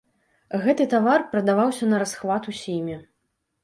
Гэты тавар прадаваўся нарасхват усімі.